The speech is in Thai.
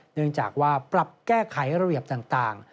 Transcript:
เนื่องจากว่าปรับแก้ไขระเบียบต่าง